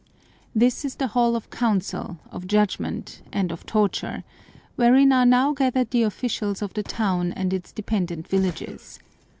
This is the hall of council, of judgment, and of torture, wherein are now gathered the officials of the town and its dependent villages.